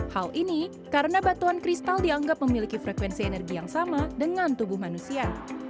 hal ini karena batuan kristal dianggap memiliki frekuensi energi yang sama dengan tubuh manusia